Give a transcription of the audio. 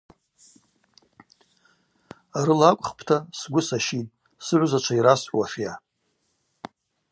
Арыла акӏвхпӏта, сгвы сащитӏ: сыгӏвзачва йрасхӏвуашйа?